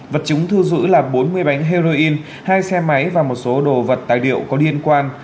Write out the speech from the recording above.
vật chúng thư giữ là bốn mươi bánh heroin hai xe máy và một số đồ vật tài điệu có liên quan